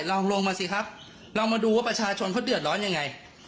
ลองลงมาสิครับลองมาดูว่าประชาชนเขาเดือดร้อนยังไง